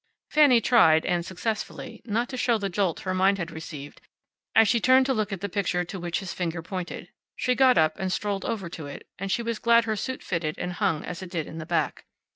Fanny tried and successfully not to show the jolt her mind had received as she turned to look at the picture to which his finger pointed. She got up and strolled over to it, and she was glad her suit fitted and hung as it did in the back.